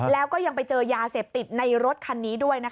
แล้วก็ยังไปเจอยาเสพติดในรถคันนี้ด้วยนะคะ